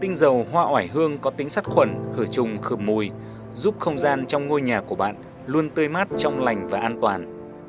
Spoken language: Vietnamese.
tinh dầu hoa ỏi hương có tính sắt khuẩn khởi trùng khởi mùi giúp không gian trong ngôi nhà của bạn luôn tươi mát trong lành và an toàn